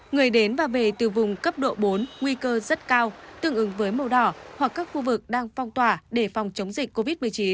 người đến và về từ vùng cấp độ bốn nguy cơ rất cao tương ứng với màu đỏ hoặc các khu vực đang phong tỏa để phòng chống dịch covid một mươi chín